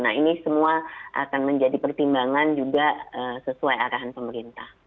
nah ini semua akan menjadi pertimbangan juga sesuai arahan pemerintah